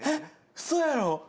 ウソやろ。